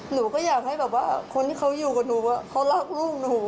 หนูก็อยากให้แบบว่าคนที่เขาอยู่กับหนูเขารักลูกหนู